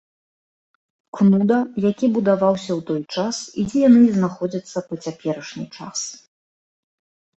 Кнуда, які будаваўся ў той час і дзе яны і знаходзяцца па цяперашні час.